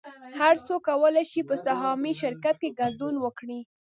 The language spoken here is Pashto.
هر څوک کولی شي په سهامي شرکت کې ګډون وکړي